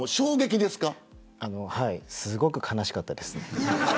すごく悲しかったです。